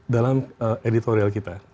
dalam editorial kita